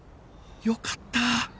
よかった！